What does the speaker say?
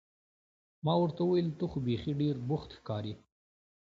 ما ورته وویل: ته خو بیخي ډېر بوخت ښکارې.